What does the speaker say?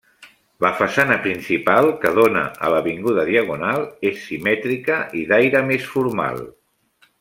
La façana principal, que dóna a l'avinguda Diagonal és simètrica i d'aire més formal.